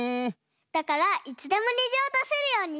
だからいつでもにじをだせるようにしたいんだ。